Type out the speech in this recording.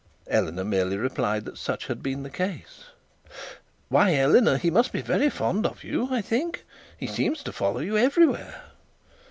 Eleanor merely replied that such had been the case. 'Why, Eleanor, he must be very fond of you, I think; he seems to follow you everywhere.'